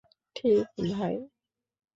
ঠিক, ভাই?